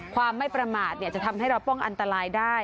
ความไม่ประมาทจะทำให้เราป้องอันตรายได้